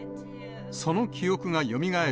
その記憶がよみがえる